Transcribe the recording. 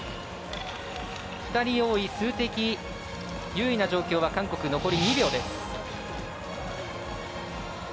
２人多い、数的優位な状況の韓国、残り２秒。